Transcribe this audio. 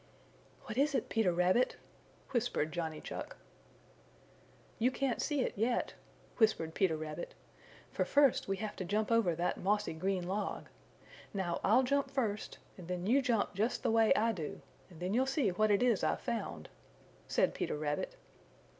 "What is it, Peter Rabbit?" whispered Johnny Chuck. "You can't see it yet," whispered Peter Rabbit, "for first we have to jump over that mossy green log. Now I'll jump first, and then you jump just the way I do, and then you'll see what it is I've found," said Peter Rabbit.